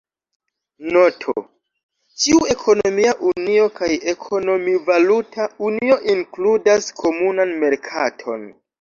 Noto: ĉiu ekonomia unio kaj ekonomi-valuta unio inkludas komunan merkaton.